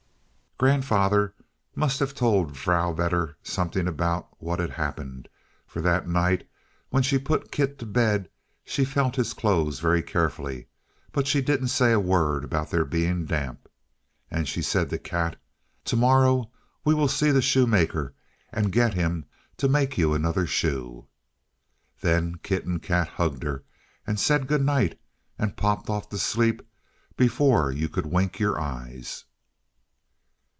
Grandfather must have told Vrouw Vedder something about what had happened; for that night, when she put Kit to bed, she felt his clothes very carefully but she didn't say a word about their being damp. And she said to Kat: "To morrow we will see the shoemaker and get him to make you another shoe." Then Kit and Kat hugged her and said good night, and popped off to sleep before you could wink your eyes.